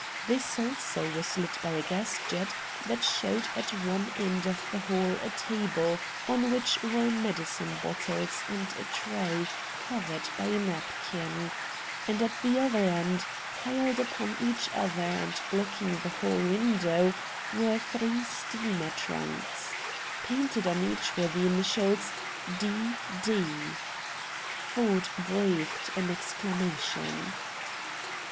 This also was lit by a gas jet that showed at one end of the hall a table on which were medicine bottles and a tray covered by a napkin; and at the other end, piled upon each other and blocking the hall window, were three steamer trunks. Painted on each were the initials, "D. D." Ford breathed an exclamation.